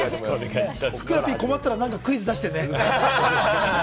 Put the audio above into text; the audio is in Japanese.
ふくらＰ、困ったら何かクイズを出してね。